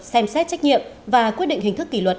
xem xét trách nhiệm và quyết định hình thức kỷ luật